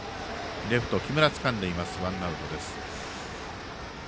レフト、木村がつかんでワンアウトです。